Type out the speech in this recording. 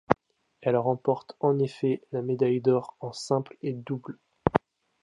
Elle remporte en effet la médaille d'or en simple et en double.